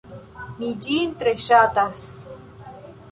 Mi ĝin tre ŝatas.